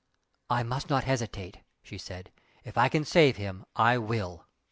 "I must not hesitate" she said "If I can save him I will!"